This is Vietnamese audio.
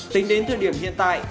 tính đến thời điểm hiện tại